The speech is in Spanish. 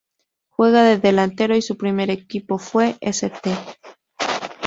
Juega de delantero y su primer equipo fue St.